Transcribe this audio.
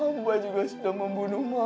amba juga sudah membunuh mama